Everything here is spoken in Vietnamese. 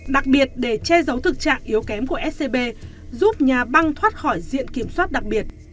đặc biệt để che giấu thực trạng yếu kém của scb giúp nhà băng thoát khỏi diện kiểm soát đặc biệt